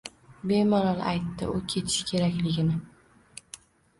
Bemalol aytdi u ketishi kerakligini.